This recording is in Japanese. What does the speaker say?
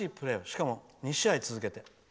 しかも２試合続けて。